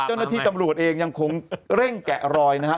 เจ้าหน้าที่ตำรวจเองยังคงเร่งแกะรอยนะครับ